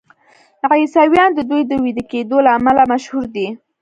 عیسویان د دوی د ویده کیدو له امله مشهور دي.